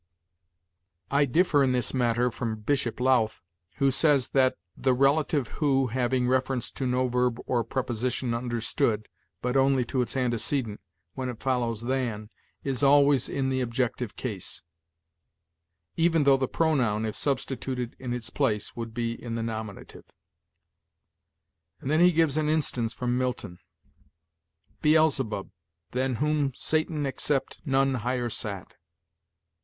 "I differ in this matter from Bishop Lowth, who says that 'The relative who, having reference to no verb or preposition understood, but only to its antecedent, when it follows than, is always in the objective case; even though the pronoun, if substituted in its place, would be in the nominative.' And then he gives an instance from Milton. 'Beelzebub, than whom, Satan except, none higher sat.'